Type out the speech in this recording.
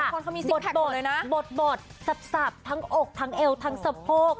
คนเขามีซิมแพคเลยนะบดบดสับสับทั้งอกทั้งเอลทั้งสะโพก